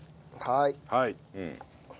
はい。